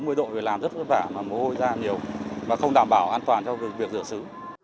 thì phải làm rất vất vả mà mồ hôi ra nhiều và không đảm bảo an toàn cho việc rửa xứ